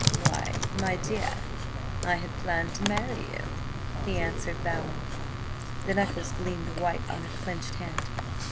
"Why, my dear, I had planned to marry you," he answered, bowing. The knuckles gleamed white on her clenched hand.